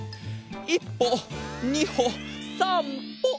１ぽ２ほ３ぽ。